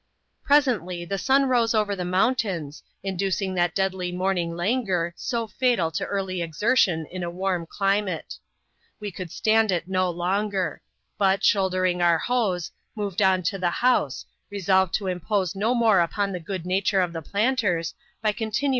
Presently, the sun rose over the mountains, inducing that deadly morning languor so fatal to early exertion in a warm climate. We could stand it no longer; but, shouldering our hoes, moved on to the house, resolved to impose no more upon the good nature of the planters, by coTitm.